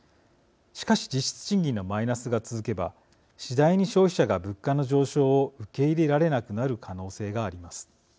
しかし実質賃金のマイナスが続けば次第に消費者が、物価の上昇を受け入れられなくなる可能性があります。